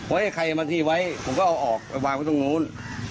ไว้ให้ใครมาที่ไว้ผมก็เอาออกวางไปตรงนู้น